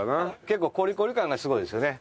結構コリコリ感がすごいですよね。